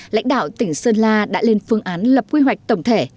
lãnh đạo tỉnh sơn la đã lên phương án lập quy hoạch tổng thể